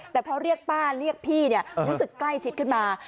แต่พอเรียกป้าเรียกพี่รู้สึกใกล้ชิดขึ้นมา